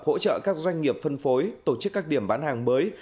hỗ trợ các doanh nghiệp phân phối tổ chức các điểm bán hàng mới